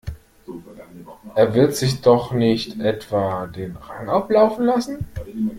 Er wird sich doch nicht etwa den Rang ablaufen lassen?